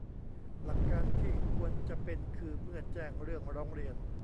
หลักการที่ควรจะเป็นคือ เมื่อแจ้งเรื่องร้องเรียน